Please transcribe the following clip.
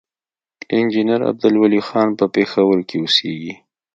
انجينير عبدالولي خان پۀ پېښور کښې اوسيږي،